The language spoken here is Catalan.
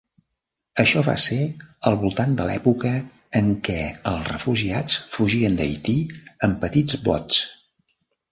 Això va ser al voltant de l'època en què els refugiats fugien d'Haití en petits bots.